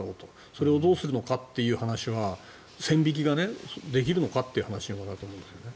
それをどうするのかという話は線引きできるのかという話にもなると思うんですね。